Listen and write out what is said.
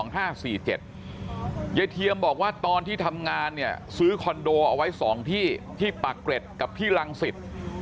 ยายเทียมบอกว่าตอนที่ทำงานเนี่ยซื้อคอนโดเอาไว้๒ที่ที่ปากเกร็ดกับที่รังสิต